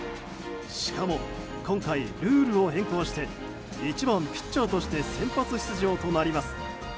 しかも、今回ルールを変更して１番ピッチャーとして先発出場となります。